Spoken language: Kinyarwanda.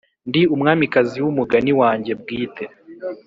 ndi umwamikazi wumugani wanjye bwite.